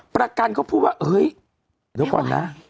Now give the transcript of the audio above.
ประกันเขาพูดว่าเฮ้ยเดี๋ยวก่อนนะ